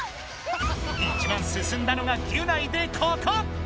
一番すすんだのがギュナイでココ！